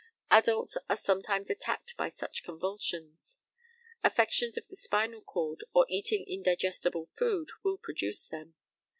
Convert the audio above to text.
Adults are sometimes attacked by such convulsions. Affections of the spinal cord or eating indigestible food will produce them.